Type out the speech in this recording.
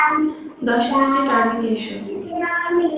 দশ মিনিটে টার্মেকে এসো।